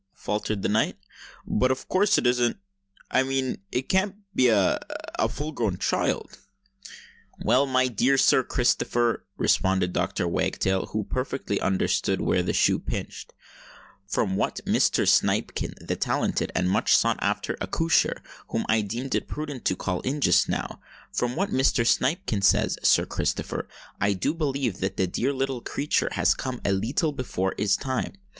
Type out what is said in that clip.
faltered the knight. "But of course it isn't—I mean—it can't be—a—a—full grown child?" "Well, my dear Sir Christopher," responded Dr. Wagtail, who perfectly understood where the shoe pinched, "from what Mr. Snipekin, the talented and much sought after accoucheur whom I deemed it prudent to call in just now,—from what Mr. Snipekin says, Sir Christopher, I do believe that the dear little creature has come a leetle before his time.